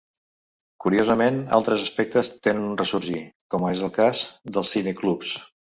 Curiosament altres aspectes tenen un ressorgir, com és el cas dels cineclubs.